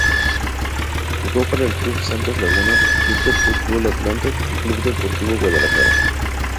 Jugó para el Club Santos Laguna, Club de Fútbol Atlante y Club Deportivo Guadalajara.